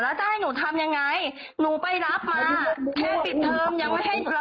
แล้วจะให้หนูทำยังไงหนูไปรับมาแค่ปิดเทอมยังไม่ให้